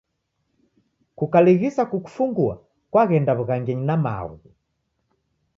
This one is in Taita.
Kukalighisa kukufungua kwaghenda w'ughangenyi na maghu.